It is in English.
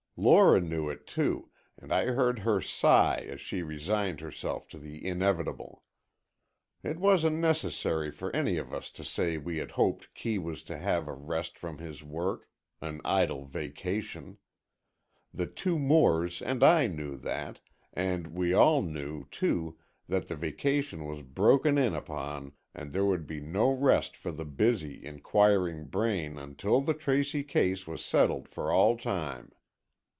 Lora knew it, too, and I heard her sigh as she resigned herself to the inevitable. It wasn't necessary for any of us to say we had hoped Kee was to have a rest from his work, an idle vacation. The two Moores and I knew that, and we all knew, too, that the vacation was broken in upon and there would be no rest for the busy, inquiring brain until the Tracy case was settled for all time.